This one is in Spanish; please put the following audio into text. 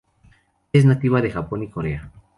Es nativa de Japón y Corea.